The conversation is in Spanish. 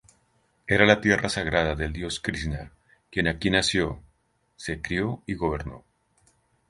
Era la tierra sagrada del dios Krishná, quien aquí nació, se crio y gobernó.